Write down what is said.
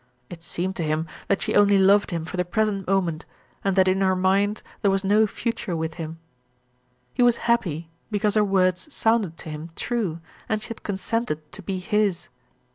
It seemed to him that she only loved him for the present moment, and that in her mind there was no future with him. He was happy because her words sounded to him true, and she had consented to be his.